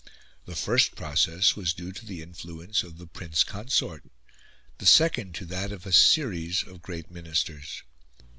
The first process was due to the influence of the Prince Consort, the second to that of a series of great Ministers.